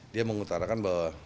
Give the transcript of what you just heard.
dia mengutarakan bahwa